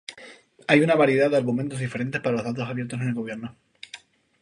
Hay una variedad de argumentos diferentes para los datos abiertos en el gobierno.